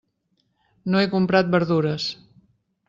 No he comprat verdures.